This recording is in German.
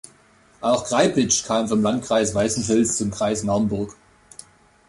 Auch Kreipitzsch kam vom Landkreis Weißenfels zum Kreis Naumburg.